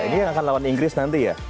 ini yang akan lawan inggris nanti ya